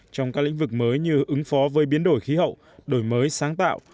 trong các lĩnh vực mới như ứng phó với biến đổi khí hậu đổi mới sáng tạo